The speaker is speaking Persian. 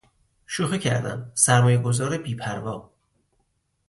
شوخی کردم. سرمایه گذار بی پروا